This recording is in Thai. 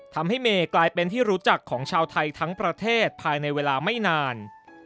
ทำให้เมย์กลายเป็นที่รู้จักของชาวไทยทั้งประเทศภายในเวลาไม่นาน